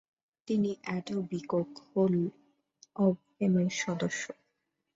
তিনি Etobicoke hall of ফেমের সদস্য।